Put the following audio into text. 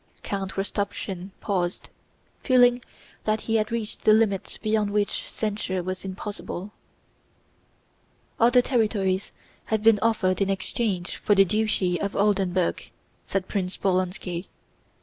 Count Rostopchín paused, feeling that he had reached the limit beyond which censure was impossible. "Other territories have been offered in exchange for the Duchy of Oldenburg," said Prince Bolkónski.